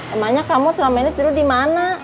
emangnya kamu selama ini tidur di mana